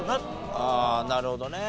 ああなるほどね。